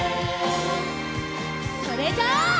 それじゃあ。